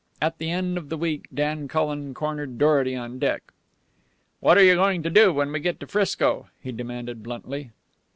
At the end of the week, Dan Cullen cornered Dorety on deck. "What are you going to do when we get to Frisco?" he demanded bluntly.